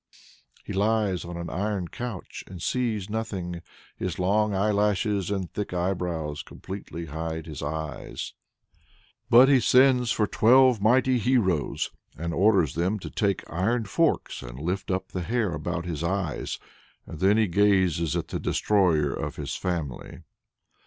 He "lies on an iron couch, and sees nothing; his long eyelashes and thick eyebrows completely hide his eyes," but he sends for "twelve mighty heroes," and orders them to take iron forks and lift up the hair about his eyes, and then he gazes at the destroyer of his family.